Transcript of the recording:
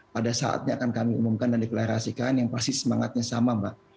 pada saatnya akan kami umumkan dan deklarasikan yang pasti semangatnya sama mbak